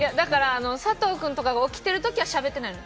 佐藤君とかが起きている時とかはしゃべってないの。